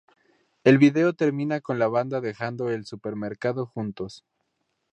El vídeo termina con la banda dejando el supermercado juntos.